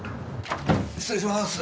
失礼します。